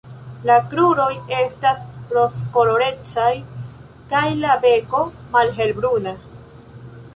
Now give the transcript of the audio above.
La kruroj estas rozkolorecaj kaj la beko malhelbruna.